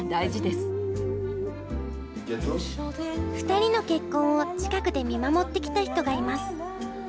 ２人の結婚を近くで見守ってきた人がいます。